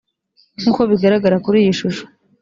nk uko bigaragara kuri iyi shusho